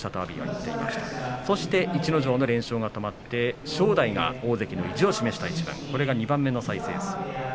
そして逸ノ城の連勝が止まって正代が大関の意地を示した一番が２番目です。